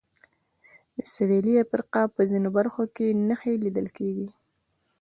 د سوېلي افریقا په ځینو برخو کې نښې لیدل کېږي.